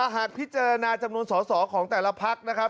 หากพิจารณาจำนวนสอสอของแต่ละพักนะครับ